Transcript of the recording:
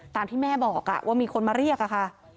ตามที่แม่บอกว่ามีคนมาเรียกอะค่ะ